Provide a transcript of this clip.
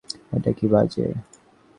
এটা কি বাজে?